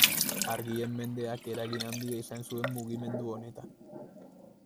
Argien mendeak eragin handia izan zuen mugimendu honetan.